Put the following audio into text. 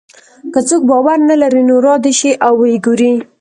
که څوک باور نه لري نو را دې شي او وګوري.